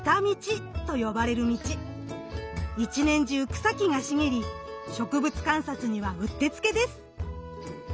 １年中草木が茂り植物観察にはうってつけです。